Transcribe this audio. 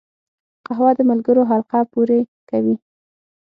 قهوه د ملګرو حلقه پوره کوي